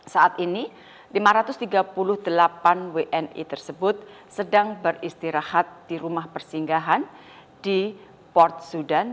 saat ini lima ratus tiga puluh delapan wni tersebut sedang beristirahat di rumah persinggahan di port sudan